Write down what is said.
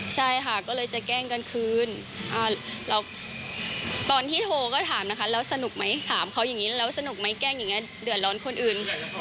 ใช่ค่ะก็เลยจะแกล้งกลางคืนแล้วตอนที่โทรก็ถามนะคะแล้วสนุกไหมถามเขาอย่างนี้แล้วสนุกไหมแกล้งอย่างนี้เดือดร้อนคนอื่น